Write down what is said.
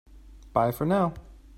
Bye for now!